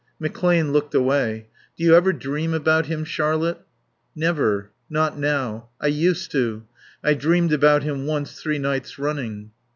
McClane looked away. "Do you ever dream about him, Charlotte?" "Never. Not now. I used to. I dreamed about him once three nights running."